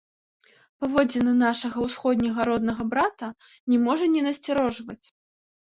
Паводзіны нашага ўсходняга роднага брата не можа не насцярожваць.